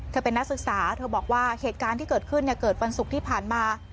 เธอเป็นนักศึกษาเธอบอกว่าเกิดขึ้นเกิดวันศุกร์ที่ผ่านมา